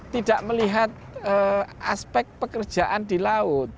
tidak melihat aspek pekerjaan di laut